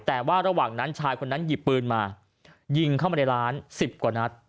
แต่ว่าระหว่างนั้นชายคนนั้นหยิบปืนมายิงเข้ามาในร้าน๑๐กว่านัด